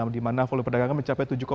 di mana volume perdagangan mencapai